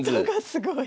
すごい。